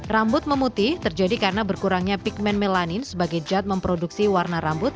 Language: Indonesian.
rambut memutih terjadi karena berkurangnya pigment melanin sebagai jad memproduksi warna rambut